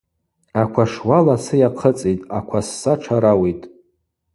Аквашуа ласы йахъыцӏитӏ, аква сса тшарауитӏ.